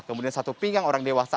kemudian satu pinggang orang dewasa